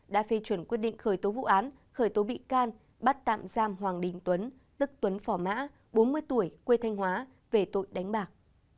đã phê chuẩn quyết định khởi tố vụ án khởi tố bị can bắt tạm giam hoàng đình tuấn tức tuấn phỏ mã bốn mươi tuổi quê thanh hóa về tội đánh bạc